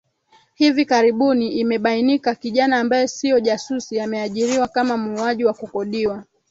hivi karibuni imebainika kijana ambaye sio jasusi ameajiriwa kama muuaji wa kukodiwa